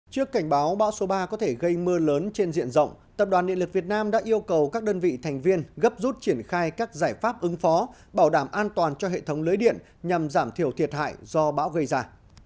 trước cảnh báo bão số ba có thể gây mưa lớn trên diện rộng tập đoàn điện lực việt nam đã yêu cầu các đơn vị thành viên gấp rút triển khai các giải pháp ứng phó bảo đảm an toàn cho hệ thống lưới điện nhằm giảm thiểu thiệt hại do bão gây ra